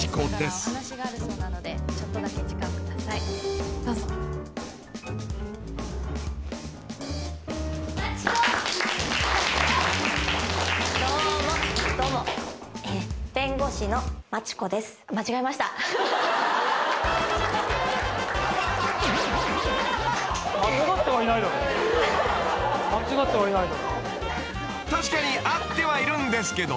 ［確かに合ってはいるんですけどね］